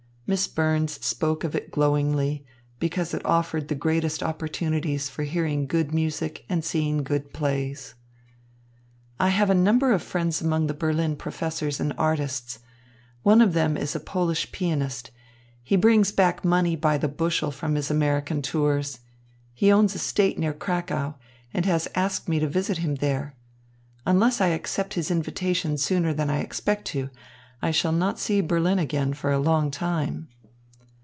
Miss Burns spoke of it glowingly, because it offered the greatest opportunities for hearing good music and seeing good plays. "I have a number of friends among the Berlin professors and artists. One of them is a Polish pianist. He brings back money by the bushel from his American tours. He owns an estate near Cracow, and has asked me to visit him there. Unless I accept his invitation sooner than I expect to, I shall not see Berlin again for a long time."